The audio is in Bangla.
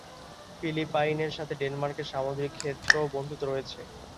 ফিলিপাইনের সাথে ডেনমার্কের সামুদ্রিক ক্ষেত্রেও বন্ধুত্ব রয়েছে।